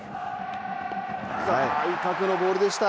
外角のボールでした。